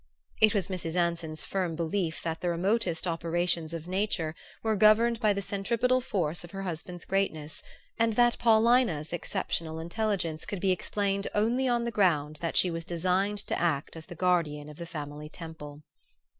It was Mrs. Anson's firm belief that the remotest operations of nature were governed by the centripetal force of her husband's greatness and that Paulina's exceptional intelligence could be explained only on the ground that she was designed to act as the guardian of the family temple.